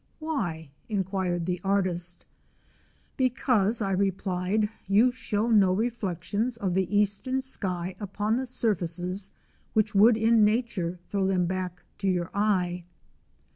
''Why?'' inquired the artist. "Because," I replied, "you show no reflections of the eastern sky upon the surfaces which would in Nature throw them back to your eye.'